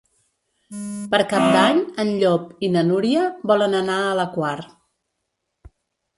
Per Cap d'Any en Llop i na Núria volen anar a la Quar.